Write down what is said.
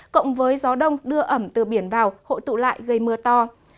cộng với gió đông đưa ẩm từ biển vào hội tụ lại gây mưa to